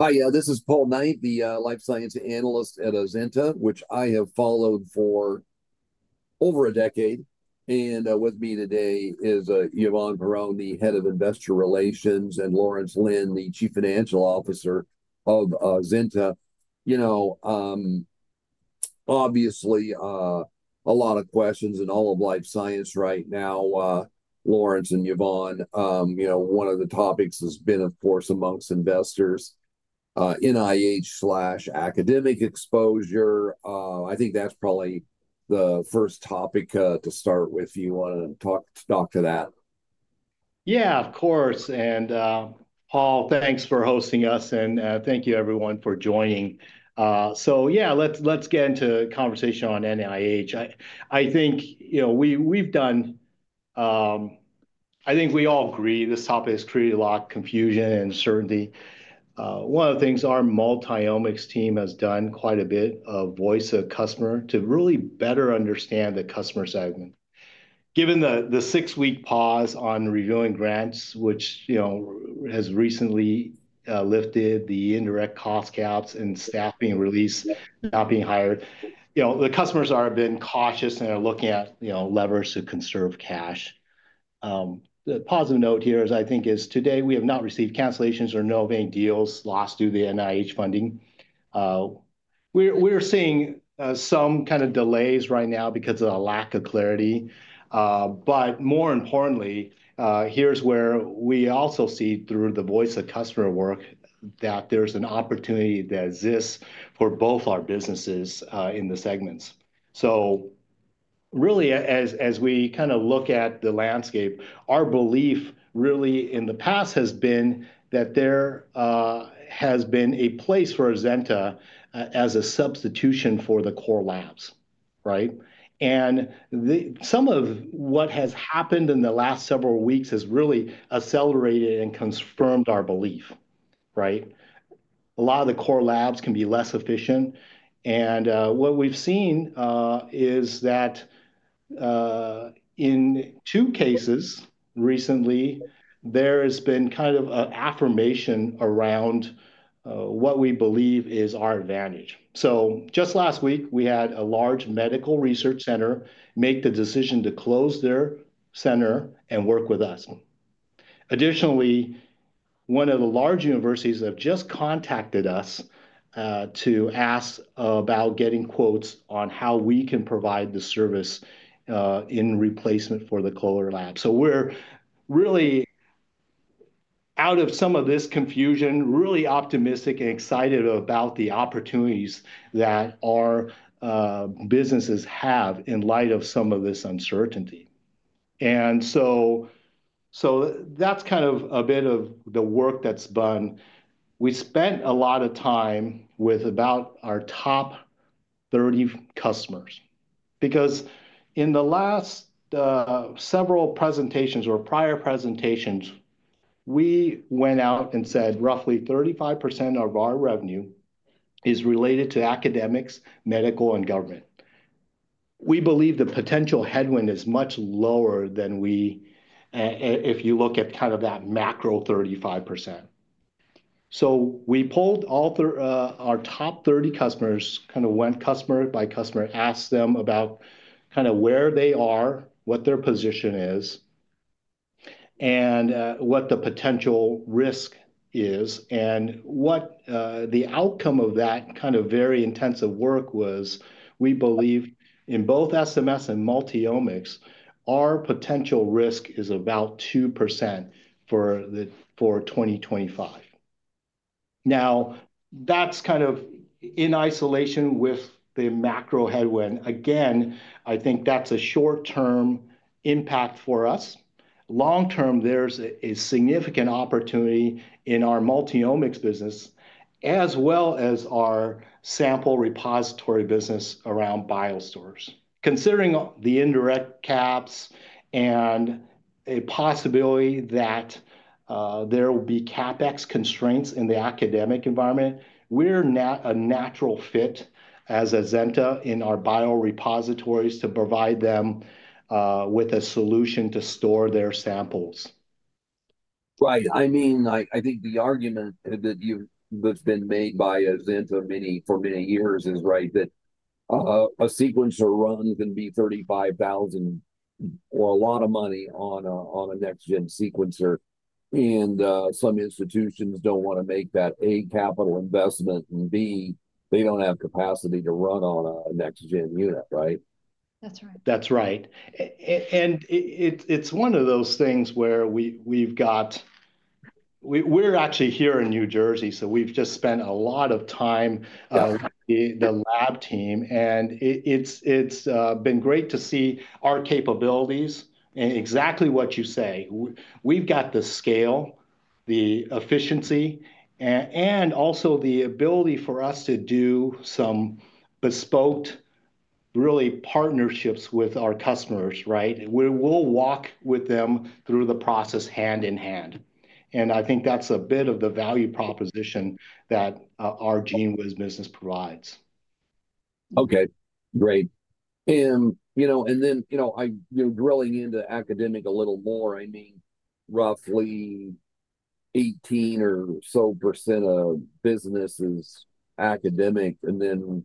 Hi, this is Paul Knight, the life science analyst at Azenta, which I have followed for over a decade. With me today is Yvonne Perron, the Head of Investor Relations, and Lawrence Lin, the Chief Financial Officer of Azenta. You know, obviously, a lot of questions in all of life science right now, Lawrence and Yvonne. You know, one of the topics has been, of course, amongst investors, NIH/academic exposure. I think that's probably the first topic to start with. Do you want to talk to that? Yeah, of course. Paul, thanks for hosting us, and thank you, everyone, for joining. Let's get into the conversation on NIH. I think, you know, we've done, I think we all agree this topic has created a lot of confusion and uncertainty. One of the things our Multiomics team has done is quite a bit of voice of customer to really better understand the customer segment. Given the six-week pause on reviewing grants, which, you know, has recently lifted the indirect cost caps and staff being released, not being hired, you know, the customers have been cautious and are looking at levers to conserve cash. The positive note here is, I think, is today we have not received cancellations or no big deals lost due to the NIH funding. We're seeing some kind of delays right now because of a lack of clarity. More importantly, here's where we also see through the voice of customer work that there's an opportunity that exists for both our businesses in the segments. Really, as we kind of look at the landscape, our belief really in the past has been that there has been a place for Azenta as a substitution for the core labs, right? Some of what has happened in the last several weeks has really accelerated and confirmed our belief, right? A lot of the core labs can be less efficient. What we've seen is that in two cases recently, there has been kind of an affirmation around what we believe is our advantage. Just last week, we had a large medical research center make the decision to close their center and work with us. Additionally, one of the large universities has just contacted us to ask about getting quotes on how we can provide the service in replacement for the core lab. We are really, out of some of this confusion, really optimistic and excited about the opportunities that our businesses have in light of some of this uncertainty. That is kind of a bit of the work that is done. We spent a lot of time with about our top 30 customers. Because in the last several presentations or prior presentations, we went out and said roughly 35% of our revenue is related to academics, medical, and government. We believe the potential headwind is much lower than if you look at kind of that macro 35%. We pulled all our top 30 customers, kind of went customer by customer, asked them about kind of where they are, what their position is, and what the potential risk is. What the outcome of that kind of very intensive work was, we believe in both SMS and Multiomics, our potential risk is about 2% for 2025. Now, that's kind of in isolation with the macro headwind. Again, I think that's a short-term impact for us. Long-term, there's a significant opportunity in our Multiomics business, as well as our sample repository business around biostores. Considering the indirect caps and a possibility that there will be CapEx constraints in the academic environment, we're a natural fit as Azenta in our biorepositories to provide them with a solution to store their samples. Right. I mean, I think the argument that you've been made by Azenta for many years is right, that a sequencer run can be $35,000 or a lot of money on a next-gen sequencer. And some institutions don't want to make that a capital investment, and b, they don't have capacity to run on a next-gen unit, right? That's right. That's right. It's one of those things where we've got, we're actually here in New Jersey, so we've just spent a lot of time with the lab team. It's been great to see our capabilities and exactly what you say. We've got the scale, the efficiency, and also the ability for us to do some bespoke, really partnerships with our customers, right? We'll walk with them through the process hand in hand. I think that's a bit of the value proposition that our GeneWiz business provides. Okay, great. You know, drilling into academic a little more, I mean, roughly 18% or so of business is academic, and then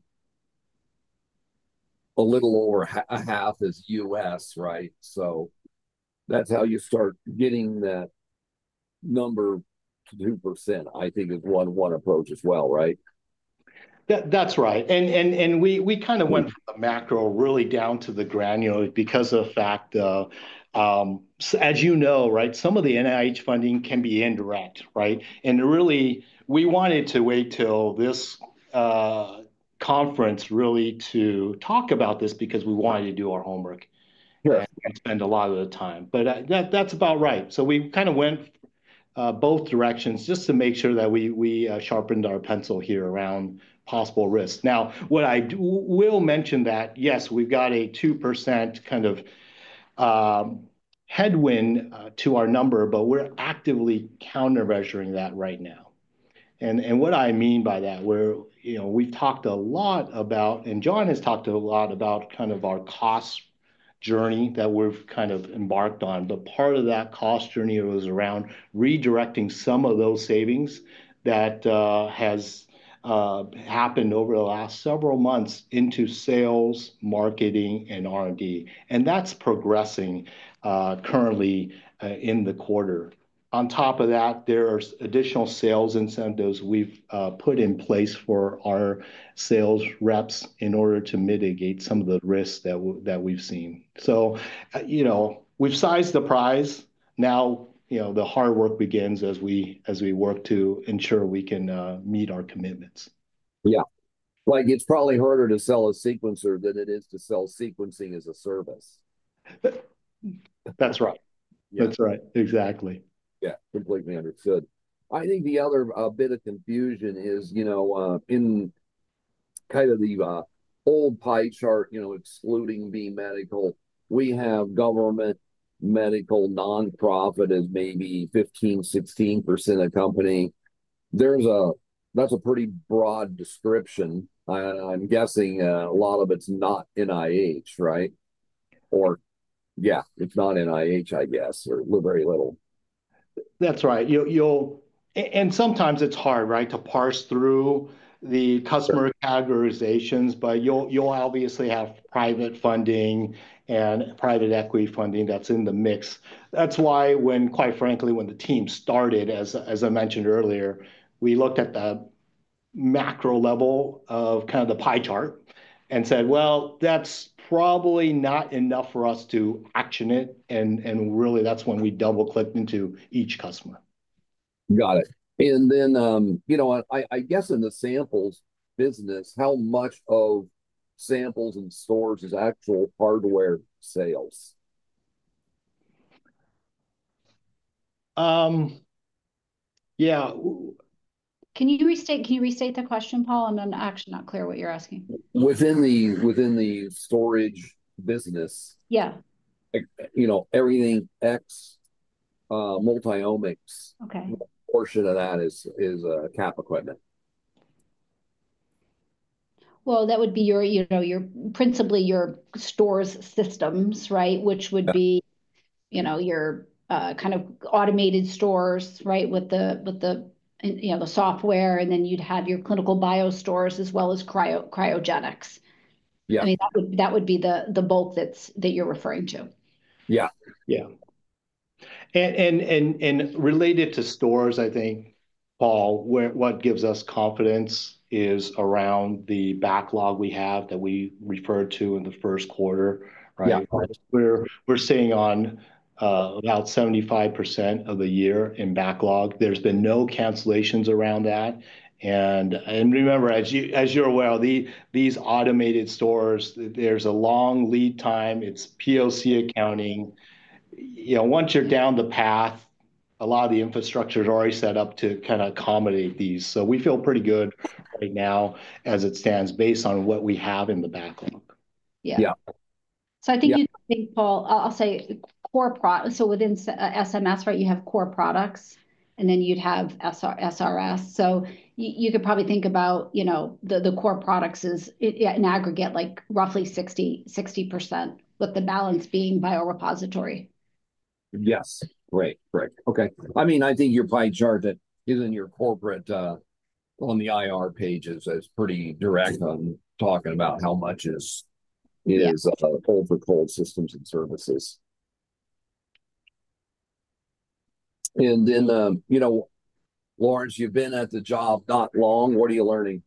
a little over half is U.S., right? That is how you start getting that number to 2%, I think, is one approach as well, right? That's right. We kind of went from the macro really down to the granular because of the fact that, as you know, some of the NIH funding can be indirect, right? We wanted to wait till this conference really to talk about this because we wanted to do our homework and spend a lot of the time. That's about right. We kind of went both directions just to make sure that we sharpened our pencil here around possible risks. What I will mention is that, yes, we've got a 2% kind of headwind to our number, but we're actively countermeasuring that right now. What I mean by that is we've talked a lot about, and John has talked a lot about, our cost journey that we've kind of embarked on. Part of that cost journey was around redirecting some of those savings that has happened over the last several months into sales, marketing, and R&D. That is progressing currently in the quarter. On top of that, there are additional sales incentives we've put in place for our sales reps in order to mitigate some of the risks that we've seen. You know, we've sized the prize. Now, you know, the hard work begins as we work to ensure we can meet our commitments. Yeah. Like, it's probably harder to sell a sequencer than it is to sell sequencing as a service. That's right. That's right. Exactly. Yeah, completely understood. I think the other bit of confusion is, you know, in kind of the old pie chart, you know, excluding being medical, we have government, medical, nonprofit as maybe 15-16% of the company. There's a, that's a pretty broad description. I'm guessing a lot of it's not NIH, right? Or yeah, it's not NIH, I guess, or very little. That's right. Sometimes it's hard, right, to parse through the customer categorizations, but you'll obviously have private funding and private equity funding that's in the mix. That's why, quite frankly, when the team started, as I mentioned earlier, we looked at the macro level of kind of the pie chart and said, that's probably not enough for us to action it. Really, that's when we double-clicked into each customer. Got it. You know, I guess in the samples business, how much of samples and stores is actual hardware sales? Yeah. Can you restate the question, Paul? I'm actually not clear what you're asking. Within the storage business. Yeah. You know, everything X, Multiomics, portion of that is cap equipment. That would be your, you know, your principally your stores systems, right, which would be, you know, your kind of automated stores, right, with the, you know, the software. And then you'd have your clinical bio stores as well as cryogenics. I mean, that would be the bulk that you're referring to. Yeah, yeah. Related to stores, I think, Paul, what gives us confidence is around the backlog we have that we referred to in the first quarter, right? We're seeing on about 75% of the year in backlog. There's been no cancellations around that. Remember, as you're aware, these automated stores, there's a long lead time. It's POC accounting. You know, once you're down the path, a lot of the infrastructure is already set up to kind of accommodate these. We feel pretty good right now as it stands based on what we have in the backlog. Yeah. I think you think, Paul, I'll say core product. Within SMS, you have core products, and then you'd have SRS. You could probably think about, you know, the core products as an aggregate, like roughly 60%, with the balance being biorepository. Yes. Right, right. Okay. I mean, I think your pie chart that is in your corporate on the IR pages is pretty direct on talking about how much is pulled for cold systems and services. And then, you know, Lawrence, you've been at the job not long. What are you learning?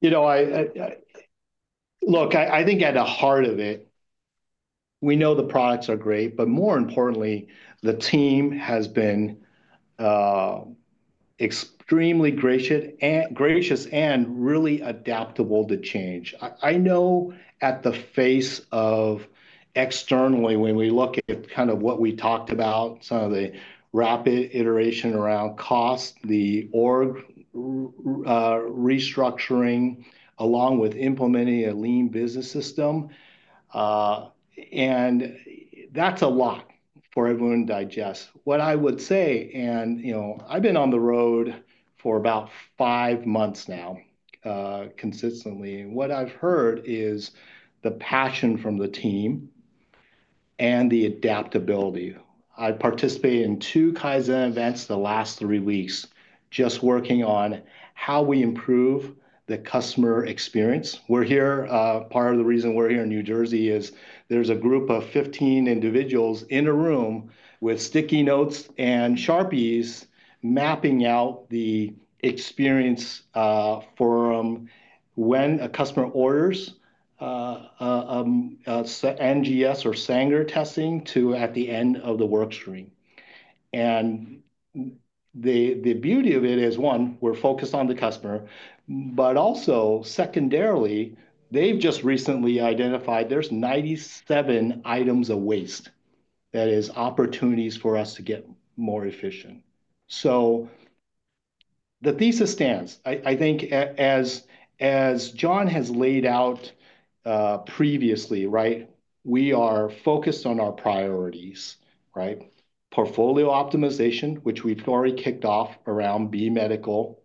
You know, look, I think at the heart of it, we know the products are great, but more importantly, the team has been extremely gracious and really adaptable to change. I know at the face of externally, when we look at kind of what we talked about, some of the rapid iteration around cost, the org restructuring, along with implementing a lean business system. That's a lot for everyone to digest. What I would say, and you know, I've been on the road for about five months now consistently. What I've heard is the passion from the team and the adaptability. I participated in two Kaizen events the last three weeks just working on how we improve the customer experience. We're here, part of the reason we're here in New Jersey is there's a group of 15 individuals in a room with sticky notes and Sharpies mapping out the experience for when a customer orders NGS or Sanger testing to at the end of the work stream. The beauty of it is, one, we're focused on the customer, but also secondarily, they've just recently identified there's 97 items of waste that is opportunities for us to get more efficient. The thesis stands. I think as John has laid out previously, right, we are focused on our priorities, right? Portfolio optimization, which we've already kicked off around B medical,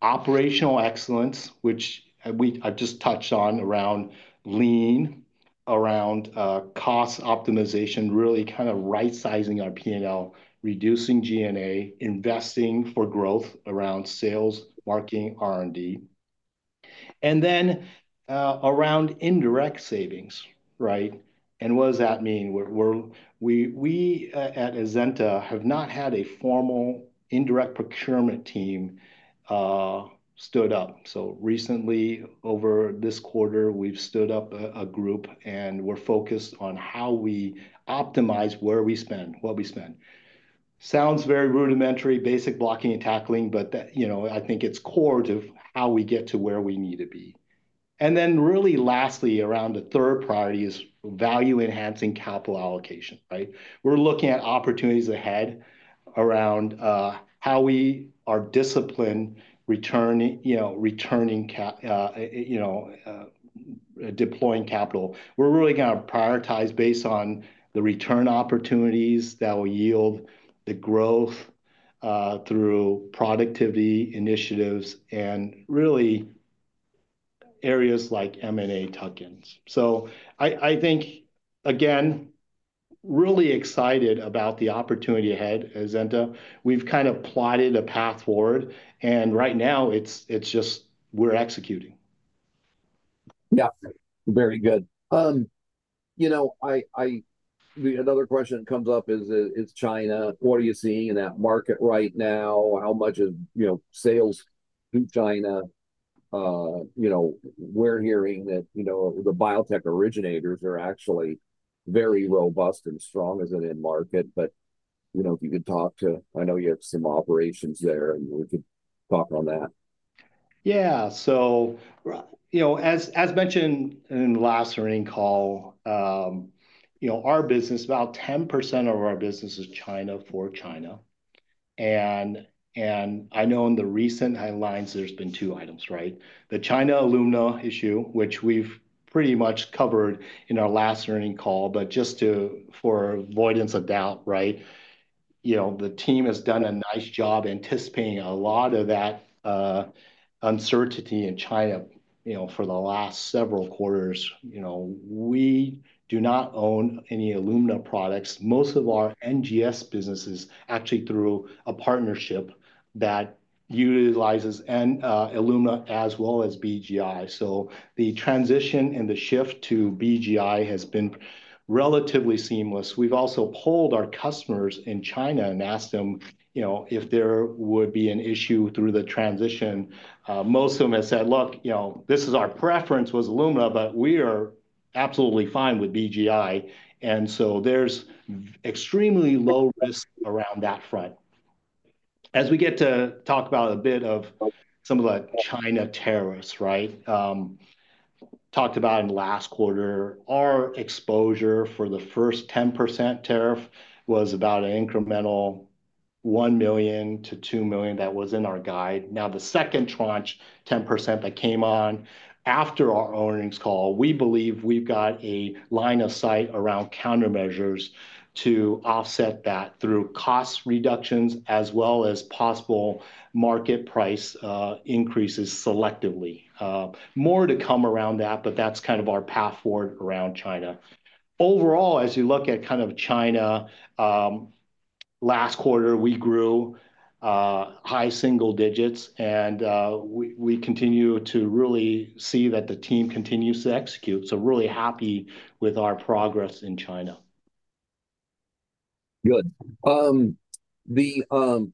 operational excellence, which I've just touched on around lean, around cost optimization, really kind of right-sizing our P&L, reducing G&A, investing for growth around sales, marketing, R&D. Then around indirect savings, right? What does that mean? We at Azenta have not had a formal indirect procurement team stood up. Recently, over this quarter, we've stood up a group and we're focused on how we optimize where we spend, what we spend. Sounds very rudimentary, basic blocking and tackling, but you know, I think it's core to how we get to where we need to be. Really lastly, around the third priority is value-enhancing capital allocation, right? We're looking at opportunities ahead around how we are disciplined, returning, you know, deploying capital. We're really going to prioritize based on the return opportunities that will yield the growth through productivity initiatives and really areas like M&A tuck-ins. I think, again, really excited about the opportunity ahead at Azenta. We've kind of plotted a path forward. Right now, it's just we're executing. Yeah. Very good. You know, another question that comes up is, is China, what are you seeing in that market right now? How much is, you know, sales in China? You know, we're hearing that, you know, the biotech originators are actually very robust and strong as an end market. If you could talk to, I know you have some operations there, and we could talk on that. Yeah. So, you know, as mentioned in the last earning call, you know, our business, about 10% of our business is China for China. I know in the recent headlines, there's been two items, right? The China Illumina issue, which we've pretty much covered in our last earning call, just to, for avoidance of doubt, right? You know, the team has done a nice job anticipating a lot of that uncertainty in China, you know, for the last several quarters. You know, we do not own any Illumina products. Most of our NGS business is actually through a partnership that utilizes Illumina as well as BGI. The transition and the shift to BGI has been relatively seamless. We've also polled our customers in China and asked them, you know, if there would be an issue through the transition. Most of them have said, look, you know, this is our preference was Illumina, but we are absolutely fine with BGI. And so there's extremely low risk around that front. As we get to talk about a bit of some of the China tariffs, right? Talked about in the last quarter, our exposure for the first 10% tariff was about an incremental $1 million-$2 million that was in our guide. Now, the second tranche 10% that came on after our earnings call, we believe we've got a line of sight around countermeasures to offset that through cost reductions as well as possible market price increases selectively. More to come around that, but that's kind of our path forward around China. Overall, as you look at kind of China, last quarter, we grew high single digits, and we continue to really see that the team continues to execute. Really happy with our progress in China. Good. The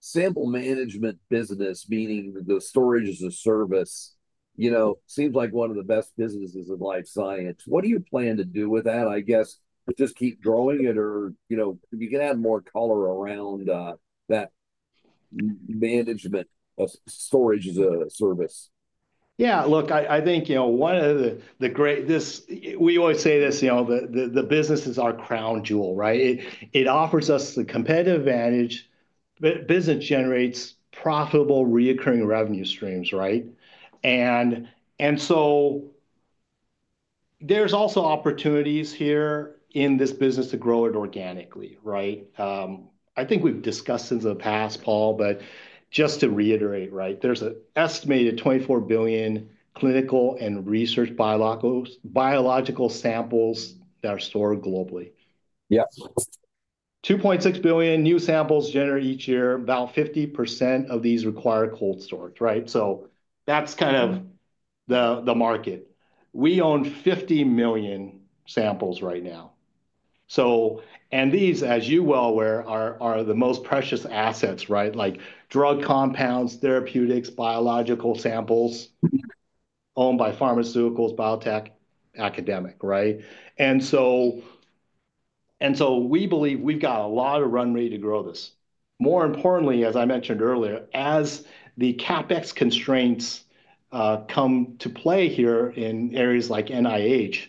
sample management business, meaning the storage as a service, you know, seems like one of the best businesses in life science. What do you plan to do with that? I guess just keep growing it or, you know, you can add more color around that management of storage as a service. Yeah. Look, I think, you know, one of the great, this we always say this, you know, the business is our crown jewel, right? It offers us the competitive advantage. The business generates profitable recurring revenue streams, right? And so there's also opportunities here in this business to grow it organically, right? I think we've discussed in the past, Paul, but just to reiterate, right? There's an estimated 24 billion clinical and research biological samples that are stored globally. Yeah. 2.6 billion new samples generate each year, about 50% of these require cold storage, right? That is kind of the market. We own 50 million samples right now. These, as you well aware, are the most precious assets, right? Like drug compounds, therapeutics, biological samples owned by pharmaceuticals, biotech, academic, right? We believe we have a lot of runway to grow this. More importantly, as I mentioned earlier, as the CapEx constraints come to play here in areas like NIH,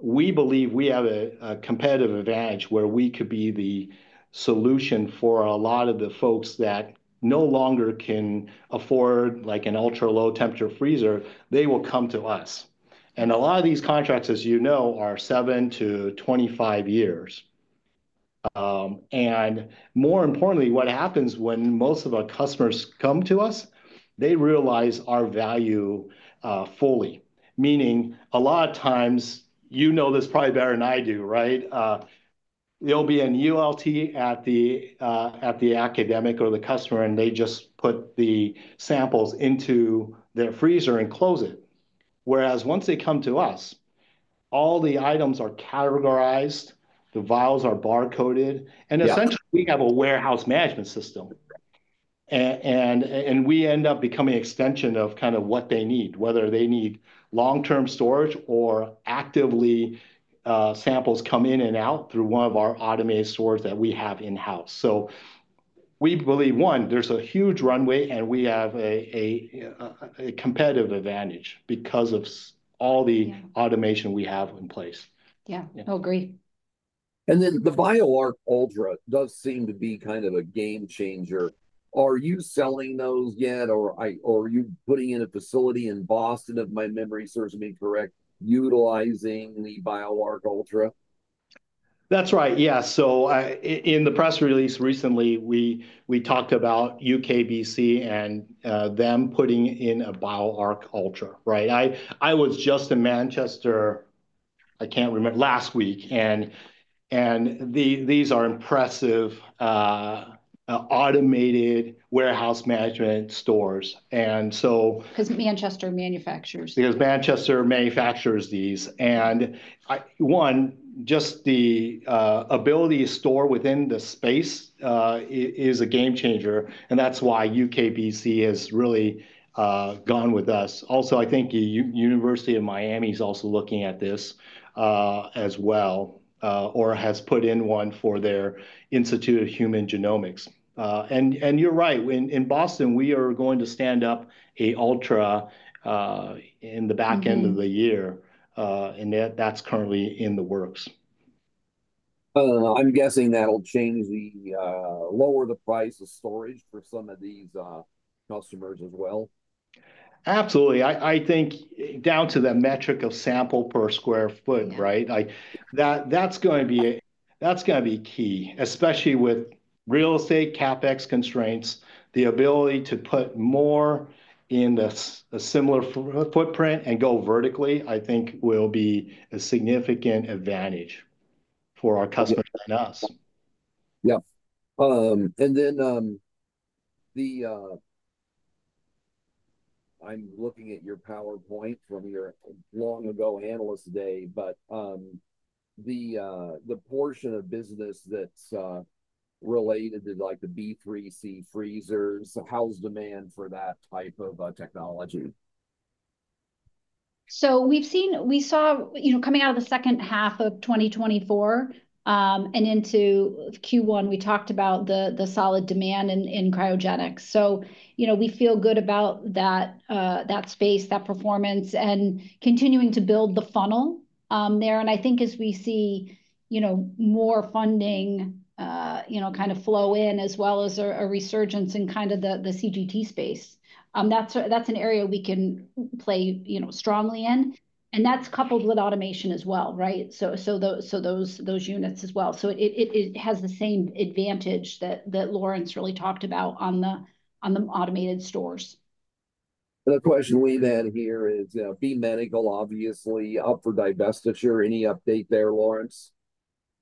we believe we have a competitive advantage where we could be the solution for a lot of the folks that no longer can afford like an ultra low temperature freezer, they will come to us. A lot of these contracts, as you know, are 7-25 years. More importantly, what happens when most of our customers come to us, they realize our value fully. Meaning a lot of times, you know this probably better than I do, right? There'll be an ULT at the academic or the customer, and they just put the samples into their freezer and close it. Whereas once they come to us, all the items are categorized, the vials are barcoded, and essentially we have a warehouse management system. We end up becoming an extension of kind of what they need, whether they need long-term storage or actively samples come in and out through one of our automated stores that we have in-house. We believe, one, there's a huge runway and we have a competitive advantage because of all the automation we have in place. Yeah, I'll agree. The BioArc Ultra does seem to be kind of a game changer. Are you selling those yet or are you putting in a facility in Boston, if my memory serves me correct, utilizing the BioArc Ultra? That's right. Yeah. So in the press release recently, we talked about UK Biobank and them putting in a BioArc Ultra, right? I was just in Manchester, I can't remember, last week, and these are impressive automated warehouse management stores. And so. Because Manchester manufactures. Because Manchester manufactures these. One, just the ability to store within the space is a game changer. That is why UK Biobank has really gone with us. I think the University of Miami is also looking at this as well or has put in one for their Institute of Human Genomics. You are right. In Boston, we are going to stand up an Ultra in the back end of the year. That is currently in the works. I'm guessing that'll change to lower the price of storage for some of these customers as well. Absolutely. I think down to the metric of sample per sq ft, right? That's going to be key, especially with real estate CapEx constraints, the ability to put more in a similar footprint and go vertically, I think will be a significant advantage for our customers and us. Yeah. I'm looking at your PowerPoint from your long ago analyst day, but the portion of business that's related to like the B3C freezers, how's demand for that type of technology? We have seen, we saw, you know, coming out of the second half of 2024 and into Q1, we talked about the solid demand in cryogenics. You know, we feel good about that space, that performance, and continuing to build the funnel there. I think as we see, you know, more funding, you know, kind of flow in as well as a resurgence in kind of the CGT space, that's an area we can play, you know, strongly in. That is coupled with automation as well, right? Those units as well. It has the same advantage that Lawrence really talked about on the automated stores. The question we then hear is B Medical, obviously up for divestiture. Any update there, Lawrence?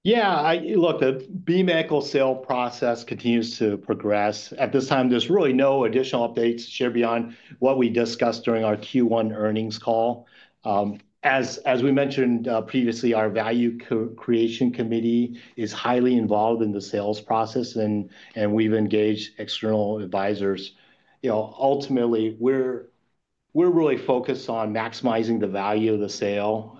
Yeah. Look, the B medical sale process continues to progress. At this time, there's really no additional updates to share beyond what we discussed during our Q1 earnings call. As we mentioned previously, our value creation committee is highly involved in the sales process, and we've engaged external advisors. You know, ultimately, we're really focused on maximizing the value of the sale.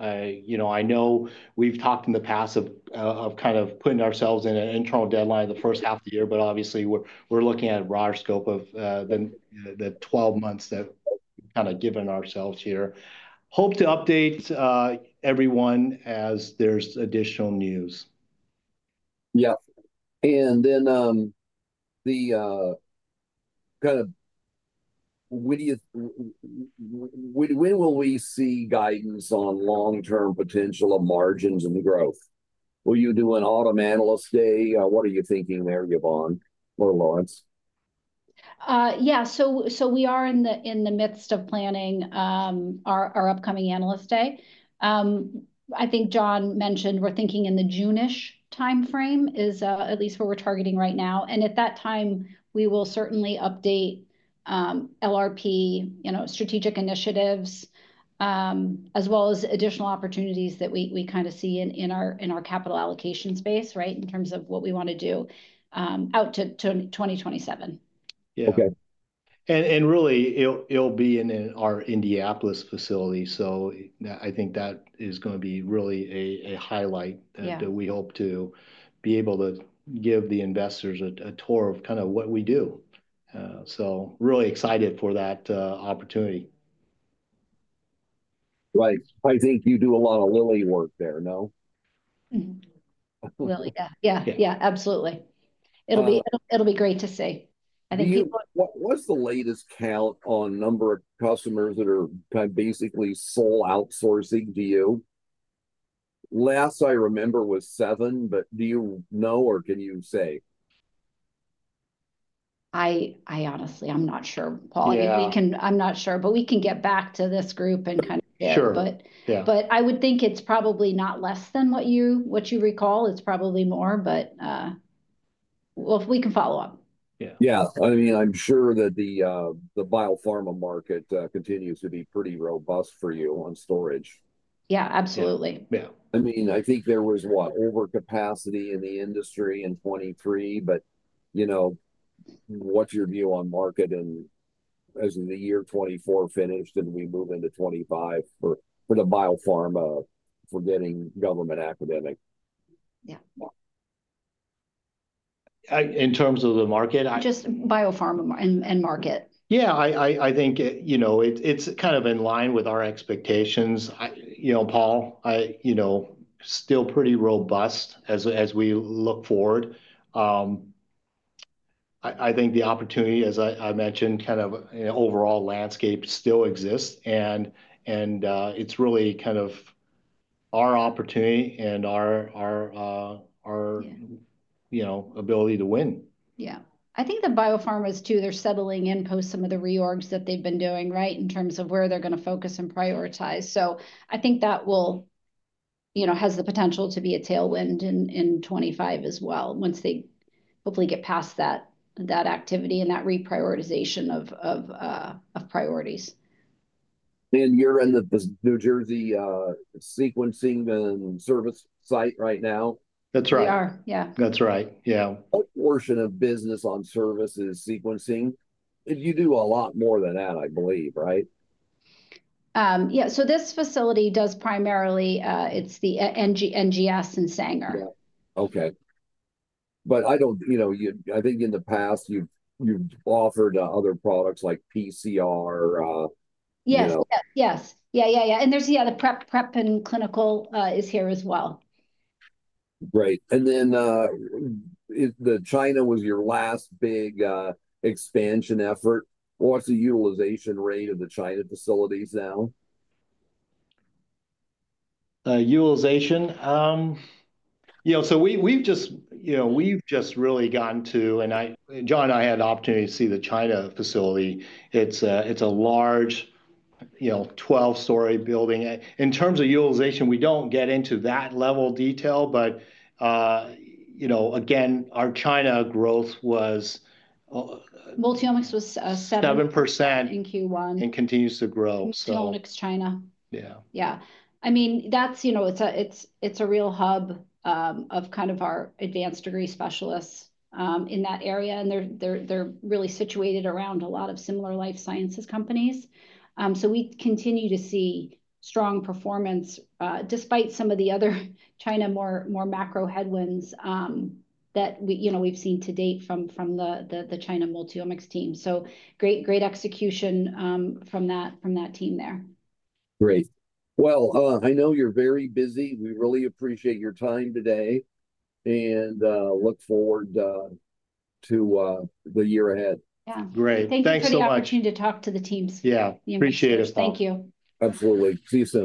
You know, I know we've talked in the past of kind of putting ourselves in an internal deadline in the first half of the year, but obviously we're looking at a broader scope of the 12 months that we've kind of given ourselves here. Hope to update everyone as there's additional news. Yeah. And then the kind of when will we see guidance on long-term potential of margins and growth? Will you do an autumn analyst day? What are you thinking there, Yvonne or Lawrence? Yeah. We are in the midst of planning our upcoming analyst day. I think John mentioned we're thinking in the June-ish timeframe is at least what we're targeting right now. At that time, we will certainly update LRP, you know, strategic initiatives, as well as additional opportunities that we kind of see in our capital allocation space, right, in terms of what we want to do out to 2027. Yeah. Okay. It will be in our Indianapolis facility. I think that is going to be really a highlight that we hope to be able to give the investors a tour of, kind of what we do. Really excited for that opportunity. Right. I think you do a lot of Lilly work there, no? Lilly, yeah. Yeah. Yeah. Absolutely. It'll be great to see. I think people. What's the latest count on number of customers that are kind of basically sole outsourcing to you? Last I remember was seven, but do you know or can you say? I honestly, I'm not sure, Paul. I'm not sure, but we can get back to this group and kind of share. I would think it's probably not less than what you recall. It's probably more, but we can follow up. Yeah. I mean, I'm sure that the biopharma market continues to be pretty robust for you on storage. Yeah. Absolutely. Yeah. I mean, I think there was, what, overcapacity in the industry in 2023, but you know, what's your view on market as the year 2024 finished and we move into 2025 for the biopharma forgetting government academic? Yeah. In terms of the market? Just biopharma and market. Yeah. I think, you know, it's kind of in line with our expectations. You know, Paul, you know, still pretty robust as we look forward. I think the opportunity, as I mentioned, kind of overall landscape still exists. And it's really kind of our opportunity and our, you know, ability to win. Yeah. I think the biopharmas too, they're settling in post some of the reorgs that they've been doing, right, in terms of where they're going to focus and prioritize. I think that will, you know, has the potential to be a tailwind in 2025 as well once they hopefully get past that activity and that reprioritization of priorities. You're in the New Jersey sequencing and service site right now? That's right. We are. Yeah. That's right. Yeah. What portion of business on service is sequencing? You do a lot more than that, I believe, right? Yeah. This facility does primarily, it's the NGS and Sanger. Yeah. Okay. I don't, you know, I think in the past you've offered other products like PCR, you know. Yes. Yeah. Yeah. And there's, yeah, the prep and clinical is here as well. Great. China was your last big expansion effort. What's the utilization rate of the China facilities now? Utilization? You know, we've just, you know, we've just really gotten to, and John and I had the opportunity to see the China facility. It's a large, you know, 12-story building. In terms of utilization, we don't get into that level of detail, but you know, again, our China growth was. Multiomics was 7%. 7% in Q1. It continues to grow. Multiomics China. Yeah. I mean, that's, you know, it's a real hub of kind of our advanced degree specialists in that area. And they're really situated around a lot of similar life sciences companies. We continue to see strong performance despite some of the other China more macro headwinds that we, you know, we've seen to date from the China Multiomics team. Great execution from that team there. Great. I know you're very busy. We really appreciate your time today and look forward to the year ahead. Yeah. Great. Thank you so much. Thanks for the opportunity to talk to the teams. Yeah. Appreciate it, Paul. Thank you. Absolutely. See you soon.